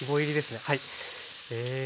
はい。